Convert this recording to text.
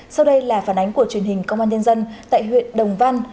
sau đây là phản ánh của truyền hình công an nhân dân tại huyện đồng văn